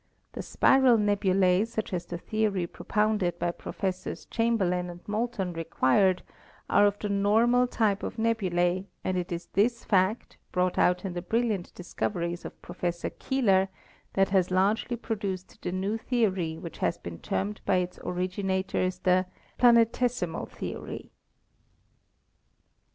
The spiral nebulae, such as the theory propounded by Professors Chamberlin and Moulton required, are of the normal type of nebulae, and it is this fact, brought out in the brilliant discoveries of Professor Keeler, that has largely produced the new theory which has been termed by its originators the "planetesimal the ory."